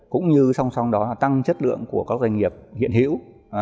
cũng như song song đó là tăng chất lượng của các doanh nghiệp hiện hữu